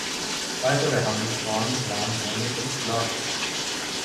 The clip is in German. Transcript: Weitere Handelswaren waren Honig und Sklaven.